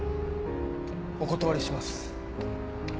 お断りします。